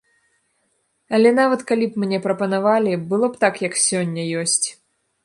Але нават калі б мне прапанавалі, было б так, як сёння ёсць.